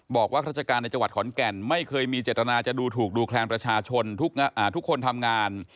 บอกว่าราชการในจังหวัดขอนแก่นไม่เคยมีเจตนาจะดูถูกดูแคลนประชาชนทุกคนทำงาน